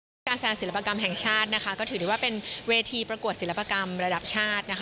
ภารกาแสนศิลปกรรมแห่งชาติคิดว่าเป็นเวทีประกวดศิลปกรรมระดับชาติ